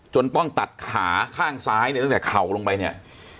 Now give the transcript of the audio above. ต้องตัดขาข้างซ้ายเนี่ยตั้งแต่เข่าลงไปเนี่ย